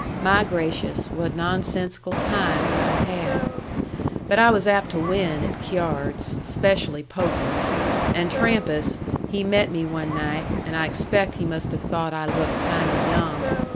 My gracious, what nonsensical times I have had! But I was apt to win at cyards, 'specially poker. And Trampas, he met me one night, and I expect he must have thought I looked kind o' young.